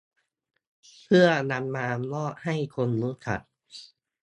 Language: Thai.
เพื่อนำมามอบให้คนรู้จัก